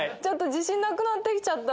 自信なくなってきちゃった